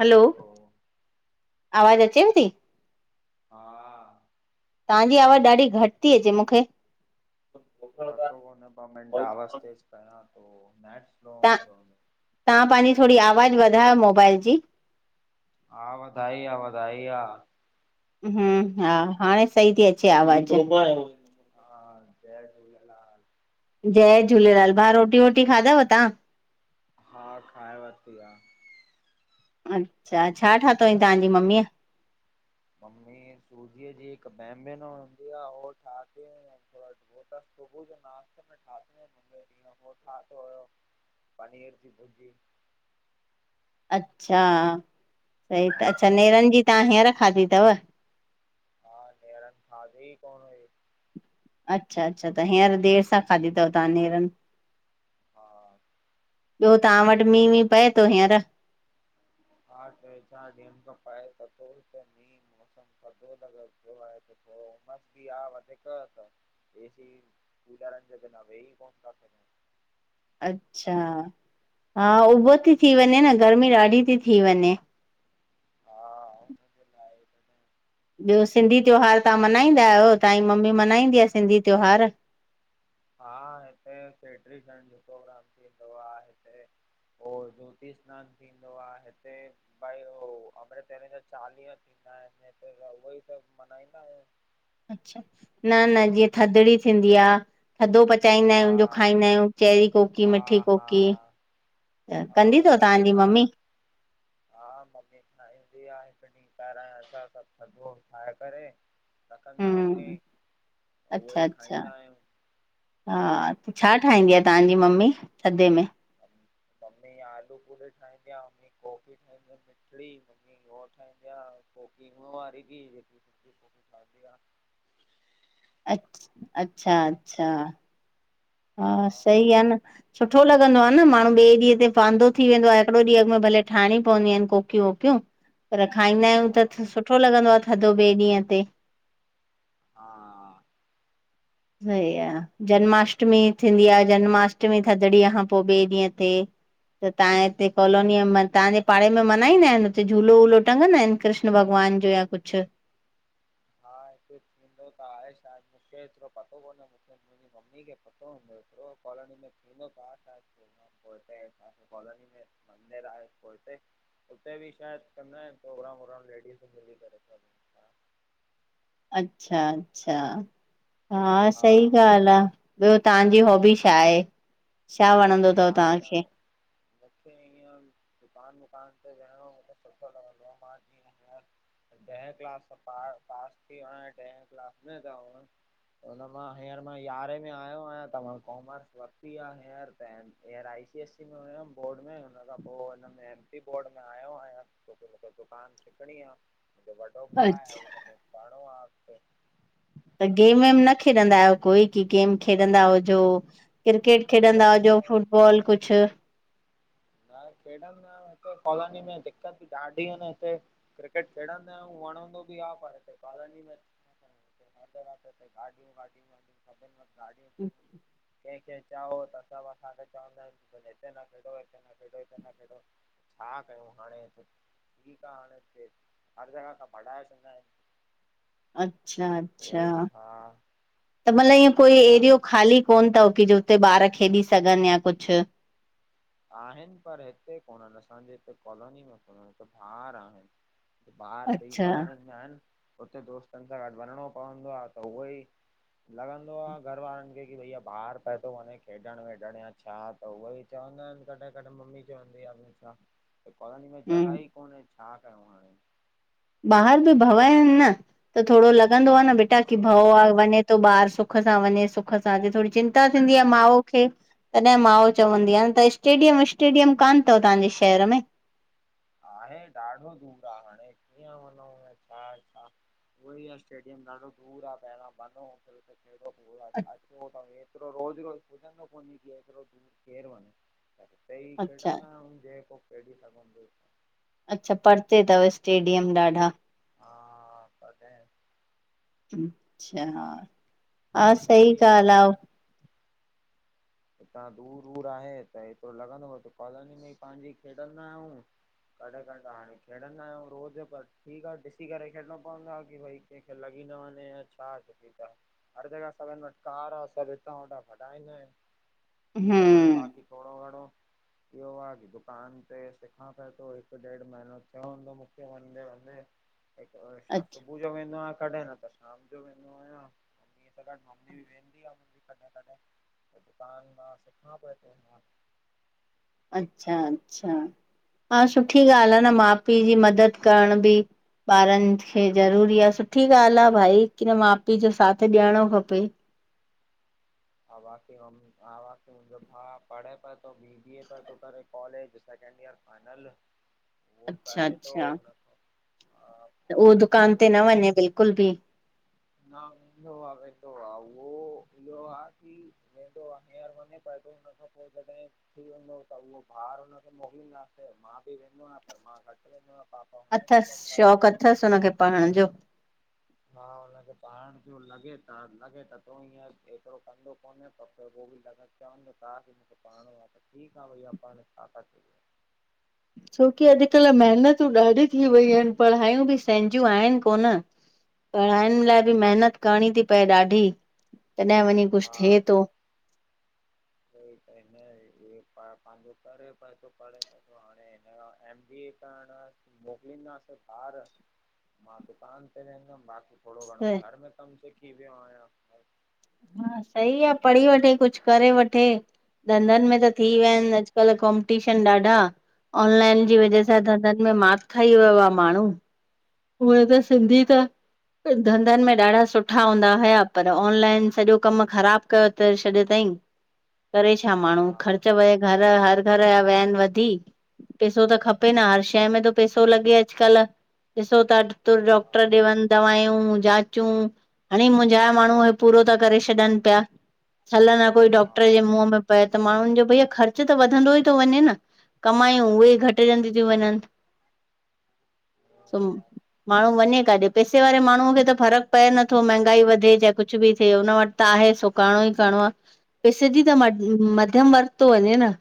हलो! आवाज़ु अचेव ती? हा आ ताहांजी आवाज़ु ॾाढी घटि ती अचे मूंखे। पतो कोन्हे ॿ मिंट आवाज़ु तेज कयां थो, नेट पोब्लम ईदों हुदोंअ? तां पंहिंजी थोड़ी आवाज़ु वधायो मोबाइल जी। हा, वधाईंआ- वधाईंआ। हम! हा, हाणे सही ती अचे आवाज। हा, जय झूलेलाल। जय झूलेलाल! भा रोटी -वोटी खादव तां। हा, खाय वरती आ। अच्छा, छा ठातोयई ताहांजी मम्मीअ? मम्मी सूजीअ जी हिकु बेमबिनो हूंदी आ, उह ठातिय त अॼ उह त सुबुह जो नाश्ते में ठातियों पे ॾींहं, उह ठातियो हुयो। पनीर जी भुर्जी। अच्छा, सही त हा अच्छा, नेरन जी तां हींअर खाधी तव? हा, नेरन खादी ई कोन हुई। अच्छा -अच्छा, त हींअर देर सां खाधी तवि ता नेरन? हा ॿियो ता वटि मींहु -वींहु पए तो हींअर? हा, ट्रै -चार ॾियनु खा पएं त थो हिते मींहु। मौसम थदो लगलु पयो आहे त थोड़ो उमस भी आये वधीक त एसी, कूलरन जे बिना वेई कोन था सॻु। अच्छा! हा, उभु ती थी वञे न, गर्मी ॾाढी ती थी वञे। हा, उमस त आहे घ ॿियो सिंधी त्योहार तहां मल्हाईंदा आहियो तव्हांजी मम्मी मल्हाईंदी आ सिंधी त्योहार? हा हिते चेट्री चण्ड जो प्रोग्राम थींदो आ हिते। पो ज्योति स्नानु थींदो आ हिते भाई हो अमृतवेले जा चालीहा थींदा आहिनि हिते त उह ई सभ मनाईंदा आहियूं। अ्छा न न जीअं थदड़ी थींदी आ थधो पचाईंदा हा आहियूं जो खाईंदा आहियूं चैेहरी कोकी हा मिठी हा कोकी त हा कंदी तव उहे बि तव्हांजी माना ममी? हा, ममी ठाईंदी आ हिकु ॾींहुं पहिराइ सभु थधो ठाहे करे रखंदी आ ममी हम्म त अच्छा उहोई अच्छा खाईंदा आहियूं। हा, छा ठाहींदी आ तहांजी ममी थधे में? मम्मी आलू पूरी ठाहींदी आ मम्मी कोकी ठाहींदी आ मिठड़ी ममी हो ठाहंदी आ कोकी हूं वारी बि जेकी ठहन्दी आ अछ अच्छा अच्छा हा सही आ न सुठो लॻंदो आ न माण्हू ॿिए ॾींहं ते वांदो थी वेंदो आ हिकिड़ो ॾींंह अॻमें भले ठाहिणी पवंदियूं आहिनि कोकियूं। पर खाईंदा आहियूं त हा सुठो लॻंदो आ थधो ॿिए ॾींहं ते हा सही आ जन्माष्टमी थींदी आ जन्माष्टमी थदड़ीअ खां पो ॿिए ॾींहं ते त तव्हां हिते कॉलोनीअ तव्हांजे पाड़े में मल्हाईंदा आहिनि हुते झूलो वूलो टंगंदा आहिनि? कृष्ण भॻवान जो या कुझु हा हित थींदो त आहे शायद मूंखे एतिरो पतो कोन्हे मूंखे मुंहिंजी मम्मी खे पतो हूंदो एतरो कॉलोनी में थींदो त छा कॉलोनी में मंदर आहे पोइते उते बि शायदि कंदा आहिनि प्रोग्राम लेडीस मिली करे। अच्छा अच्छा हा सही ॻाल्हि आ। ॿियो तहांजी हॉबी छा आहे? छा वणदो तव? मां त तव्हांखे? मूंखे ईअं दुकान वुकान ते वेहणो मूंखे सुठो लॻंदो मां जीअं हींअर ॾहें क्लास में पास थी वयो ॾह क्लास में त हो त हुन मां हींअर मां यारहें में आयो आहियां त मां कॉमर्स वरिती आ हींअर त हीअर आई सी एससी में हुयमि बोर्ड में हुन खां पो हुन में एम पी बोर्ड में आयो आहियां। छोकी मूंखे दुकानु सिखणी आ मुंहिंजो वॾो भाउ आ अच्छा हुनखे करणो अॻते त गेम वेम न खेॾंदा आहियो कोई की गेम खेॾंदा हुजो क्रिकेट खेॾंदा हुजो फुटबॉल कुझु न खेॾंदो न आहिया हिते कॉलोनी में दिक़त बि ॾाढी इन हिते क्रिकेट खेॾंदा आहियूं वणंदो बि आ पर हिते कालोनी में हिते हर घर ते गाॾियूं वाॾियूं सभिंन वट कंहिंखे चओ त सभु असांखे चवंदा आहिनि हिते न खेॾो हिते न खेॾो छा कयूं हाणे। ठीकु आ हाणे ईते हर जॻह खां भढाए छॾंदा आहिनि अचछा उहे अचछा हा त मतिलबु ईअं कोई छा एरियो ख़ाली कोन तव की जो हुते ॿार खेॾी सघनि या कुझु आहिनि पर हिते कोन्हनि असांजे हिते कॉलोनी में कोननि हिते बाहर आहिनि। ॿाहर बिई अच्छा कॉलोनी में आहिनि उते दोस्तनि सां गॾु वञिणो पवंदो आ त उहो ई लॻंदो आ घर वारनि खे की भईया ॿाहर पियो थो वञे खेॾण वेॾण या छा त उहे बि चवंदा आहिनि कडहिं कडुहिं मम्मी चवंदी आ, कॉलोनी में जॻह हम्म ई कोन्हे छा कयूं हाणे। ॿाहिरि बि भव आहिनि न त थोरो लॻंदो आ न, बेटा की भउ आ हा वञे त ॿारु सुख सां वञे सुख सां अचे, थोरी चिंता थींदी आ माउ खे। तॾहिं मांऊ चवंदी आ न, त स्टेडियम ॿिस्टेडियम कान तव तांजे शहर में? आहे, ॾाढो दूर आ, हाणे कीअं वञऊं यां छा छा वही स्टेडियम ॾाढो दूर आ पहिरियों बंद हुन्दो त ऐॾो दूर अचो त एतिरो रोज़ रोज़ पुॼदो कोने केतरो केर दूर वञे। हिते ई खेॾंदा अच्छा आहियूं जेको खेॾी सघंदो। अच्छा, परते तव स्टेडियम ॾाढा। हा तॾहिं। अच्छा, हा उहा सही ई ॻाल्ह आहे आ। हितां दूर दूर आहे, त एतिरो लॻंदो त कॉलोनी में ई पहिंजी खेॾंदा आहियूं। कॾहिं कॾहिं हाणे खेॾंदा आहियूं रोज़ पर, ठीक आ ॾिसी करे खेॾिणो पवंदो आहे कि भई कंहिंखे लॻी न वञे, या छा ठीक आ। हर जॻह सभिन वटि कार आ, हितों हुतों हटाए करे। ठीक आ हाणे हम्म बाक़ी थोडो घणो इहो आ की दुकान ते सिखां पयो थो, हिकु ॾेढु महीनो थियो हूंदो मुखे। हिते वंदे वंदे, हिक शाम को अच्छा सुबुह जो वेंदो आहियां कॾहिं न त शाम जो वेंदो आहियां। त कॾ मम्मी भी वेंहदी आ कॾहिं कॾहिं। पान मां सिखण पयो तो हिते मां अच्छा अच्छा, हा सुठी ॻाल्ह बाक़ी आ न माउ पीउ जी मदद करण बि। ॿारनि खे ज़रूरी आ, सुठी ॻाल्ह आहे भाई कीअं माउ पीउ जो साथ ॾियणो खपे। हवा [unintelligible] मुंहिंजो भाउ पढ़े प बी बी ए प थो करे कॉलेज सकेंड ईयर फाईनल, उहो अच्छा पढे थो हुन, आ त उहो दुकान ते न वञे बिलकुल भी ना वेंदो आ वेंदो आ उहो ईदोआ आ की वेंदो आ केर मञे पाइदो हुन खां पोइ जॾहिं। थी वेंदो त उहो भार हुनखे मोकिलिदासे, मां भी वेंदो आयां पर मां घटि वेंदो आहियां। पापा हुनखे अथसि, सॾु करणु शौंक़ अथसि हुनखे पढ़ण जो। हा हुनखे पढ़ण जो लॻे त, लॻे त तो हीअ एतिरो कंदो कोन त बि लॻंदो च़ंवन त ता मुखे पढ़यो आ त ठीक आ, भाईया पढ़ [unintelligible] छोकी अॼुकल महिनतूं ॾाढी थी वयूं आहिनि, पढ़हायूं भी सहिंजूं आहिन कोन। पढ़ाइनि लाइ भी मेहनत करणी थी पए ॾाढी, तॾहिं वञी कुछ हा थिए तो। पंहिंजो करे [unintelligible] हाणे हिनजो एम बी ए। [unintelligible] [unintelligible] मोकिलंदासीं ॿार मां दुकान ते वेंहदुम थोरो घणो त घर में कमु सिखी वयो आहियां। सही आ, पढ़ी वठे, कुछ करे वठे। धंधनि में त थी वया हा आहिनि अॼुकल कॉम्पिटीशन ॾाढा, ऑनलाइन जी हा वजह सां धंधनि में मात खाई वयो आ माणु, उहे त सिंधी हा त धंधनि में ॾाढा सुठा हूंदा हुया, पर ऑनलाइन सॼो कमु ख़राब कयो त छॾियो तईं। [inaudible] करे छा माणुहूं हा ख़र्च वहे, घर हर घर जा वैन वधी, पैसो त खपे न हर शइ में थो पैसो लॻे अॼुकल ॾिसो था, तुर हा डॉक्टर ॾे वञु दवांयू जाच चउं हाणे मुहिंझा़ माणु हे पूरो था करे छॾनि पिया हल न पोइ डॉक्टर जे हा मुंह में पय त माणुन जो भैया ख़र्च त वधंदो ई थो वञे न कमायूं उहे घटिजयूं थियूं वञनि। माणु वञे काॾे पैसे वारे माणुअ खे त फ़र्क़ु पए नथो मंहगाई वधे जींअ कुछ भी थिए हुन वटि त आहे सो करणो ई करिणो आ पिस जी त मध मध्यम वर्ग तो वञे न।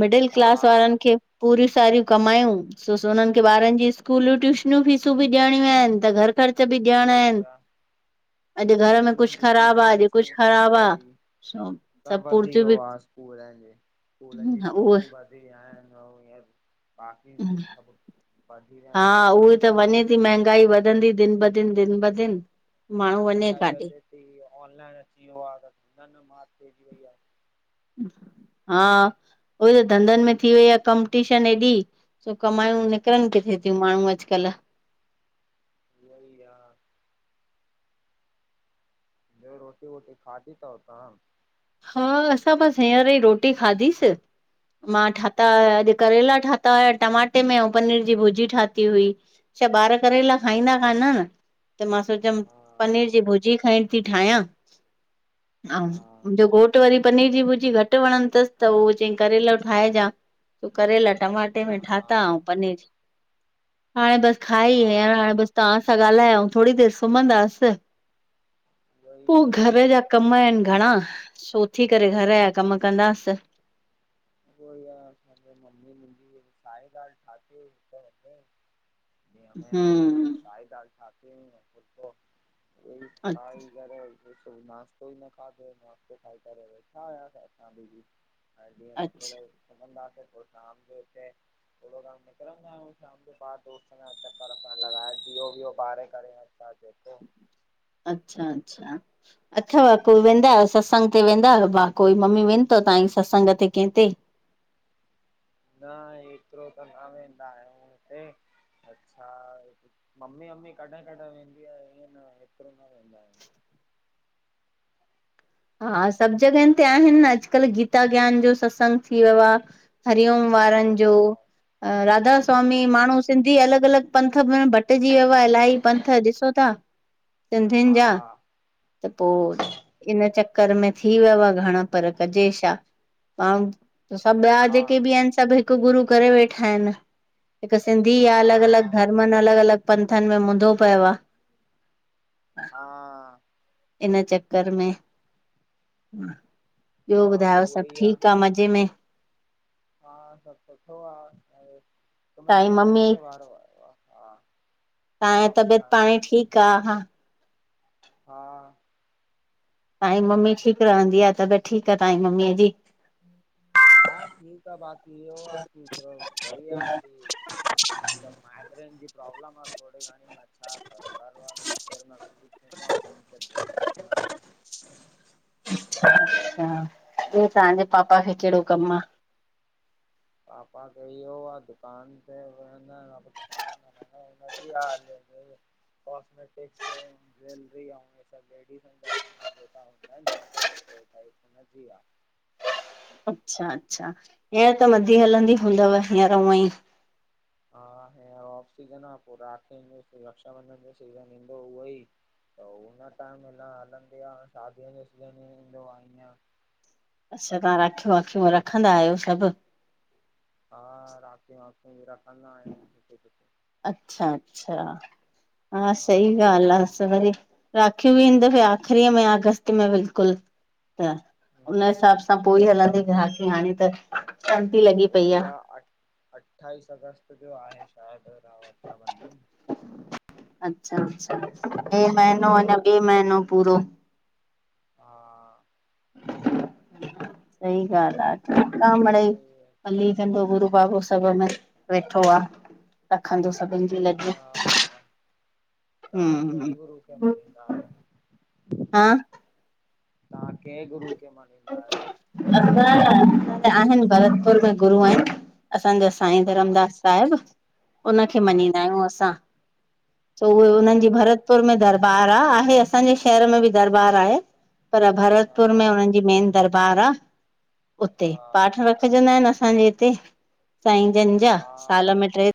मिडिल हा क्लास वारनि खे पूरियूं सारियूं कमायूं सो सो उननि खे ॿारनि जी स्कूलू ट्यूशनियूं फींसयू भी ॾियणियूं आहिनि त घर ख़र्च भी उहो ॾियणा ई ऐन। आहे अॼु घर में स्कूलनि कुछ जी ख़राब आ फीसूं अॼु वीसूं कुछ ख़राब आ। उहोई छों त पुर्तियूं बि कूलन जे स्कूलनि जी फीसूं उहे भाभी बाक़ी सभु वधी विया ऐन सभु सभु। जी महगाई वधंदी दिन ब दिन दिन ब दिन। माण्हू वञे महगाई काॾे वधे थी ऑनलाइन अची वियो आ त उनिन में मात पइजी वई आ। हा उई त धंधनि में थी वई आहे कमपटीशन हेॾी। छो कमायूं निकिरनि किथे थियूं माण्हू अॼुकल्ह। ऊई आ। ॿियो रोटी वोटी खादी तव तां। हा असां बसि हींअर ई रोटी खाधीसि। मां ठाता हुया अॼु करेला ठाता हुया टमाटे में ऐं पनीर जी भुजी ठाती हुई। छा ॿार करे लाइ खाईंदा कान ऐन त मां सोचियमि हा पनीर जी भुजी खण ती ठाहियां ऐं हा मुंजो घोट वरी पनीर जी भुजी घटि वणंद तसि त उहो चई करेलो ठाहिजां सो करेला टमा टे हा में हा ठाता अऊं पनीर हाणे बसि खाई हा विया हाणे बस तहां सां ॻाल्हाय अऊं थोरी देरि सुम्हंदासि उहो ई पोइ घर आहे जा कम ऐन घणा सो उथी करे घर जा कम कंदासि। उई आ असांजे मम्मी मुंहिंजी काई ॻाल्हि ठाती हुई ॾींह में रोटी में हम्म साई दाल ठाती हुई फुलकों खाई करे। सुबु नाश्तो ई न खाधो नाश्तो खाई करे वेठा हुयासी अंसा भी हा जीअं अच्छा सुमंदासे थो पोइ शाम जोे इते थोरो गणो निकरंदा आहिंयूं शाम जो बाहर। दोस्त सां चकर वकर लॻाए ॾियो बिओ ॿारे करे ऐं छा जेको अच्छा अच्छा अच्छा कोई वेंदा आयो सत्संग ते वेंदा आहियो भा कोई मम्मी वेंद त तहांई सत्संग ते कंहि ते। न एतिरो त न वेंदा आहियूं हुते। अच्छा ममी वमी कॾहिं कॾहिं वेंदी आ ईअं न हेतिरो न वेंदा आहिनि। हा सभु जॻहियुनि ते आहिनि न अॼकल्ह गीता ज्ञान जो सत्संग थी वियो आ। हरिओम हा वारनि जो राधा हा स्वामी माण्हू सिंधी अलग अलग पंथ म भटिजी वियो आ इलाही पंथ ॾिसो ता। सिंधिनि जा हा त पो इन चक्कर में थी वियव घण पर कजे छा? त सभु ॿिया हा जेके बि ऐन सभु हिकु गुरू करे वेठा ऐन हिकु सिंधी आ अलग-अलग हा धर्मनि अलग-अलग पंथनि में मुंदो पयो आ। हा। हिन चक्कर में ॿियो हा ॿुधायो उहो सभ ई आ ठीक आह मज़े में? हा सभ सुठो आह ऐं कमेंट तव्हांजी मम्मी [unintelligible] वारो आहयो आ। हा तव्हांजी तबियत ॿुधायो पाणीं ठीक आह हा हा तव्हांजी मम्मी ठीक रहंदी आह। तबेत ठीक आह तव्हांजी मम्मीअ जी? हा ठीक आह बाक़ी इयो आ [unintelligible] मम्मी त माइगरेन जी प्रोब्लेम ब आह थोड़ी घंणी अछा [unintelligible] अच्छा ॿयो तव्हांजे पापा खे केहड़ो कम आह? पापा खे ईहयो आ दुकान ते वेहंदा आहिन दुकान [unintelligible] कॉस्मेटिक्स ज्वेलरी अंऊ सभ लेडिस जेका हूंदा आहिन जनरल [unintelligible] हुनजी आह। अच्छा अच्छा हींअर त मंदी हलंदी हूंदव हींअर हुअं ई हा हीअर ऑफ सीजन आह। पो राखी जो रक्षाबंधन जो सीजन ईंदो उहो ई त हुन टाइम हलंदी आह। शादीअ जो सीज़न ई ईंदो आह ईअं अच्छा तव्हां राखियूं वाखियूं रखंदा आहयो सभ? हा राखियुं वाखियुं भी रखंदा आहियुं जिते किते अच्छा अच्छा हा सही ॻाल्ह आह सही राखी बी हिन दफे आख़रीअ में आ अगस्त में बिल्कुल। त उन हिसाब सां पोइ हलंदी ग्राहकी हाणें त शांती [unintelligible] उहो ई आह अ अठाईस अगस्त जो आहे शायद रक्षाबंधन। अच्छा अच्छा हे हा महीनो मां अञा ॿ महीनो पूरो। हा सही ॻाल्ह आह। ठीक आह मीड़ई भली कंदो गुरू बाबो सभ में। वेठो आ रखंदो सभिन जी लज्ज। तां कें गुरू खे मञीदा आहयो? हा तव्हां केंह गुरुू खे मञीदा आहयो? असां आहिन भरतपुर में गुरू आहिन असांजा साईं हा धरमदास साहिब उनखे हा मञीदा आहियूं असां। त उहे हा उन्हन जी भरत भरतपुर में दरबार आहे आहे असांजे शहर में बि दरबार आहे पर भरत हा भरतपुर में हुनन जी मेन दरबार आ उते हा पाठ रखजंदा आहिन असांजे हिते सांई जन जा हा साल में ट्रे